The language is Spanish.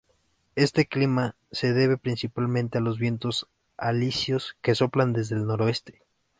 Este clima se debe principalmente a los vientos alisios que soplan desde el noreste.